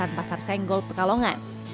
kawasan pasar senggol pekalongan